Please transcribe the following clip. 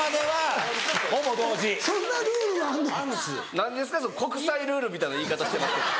何ですかその国際ルールみたいな言い方してましたけど。